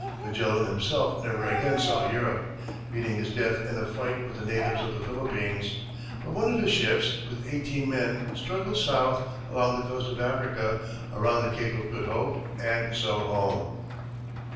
Magellan himself never again saw Europe, meeting his death in a fight with the natives of the Philippines, but one of his ships, with eighteen men, struggled south along the coast of Africa, around the Cape of Good Hope, and so home.